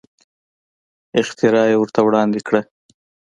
اختراع یې ورته وړاندې کړه.